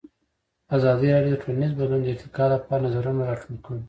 ازادي راډیو د ټولنیز بدلون د ارتقا لپاره نظرونه راټول کړي.